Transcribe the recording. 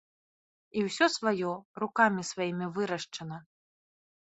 І ўсё сваё, рукамі сваімі вырашчана.